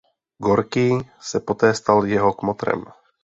Gorkij se poté stal jeho kmotrem.